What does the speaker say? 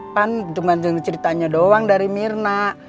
pan cuma ceritanya doang dari mirna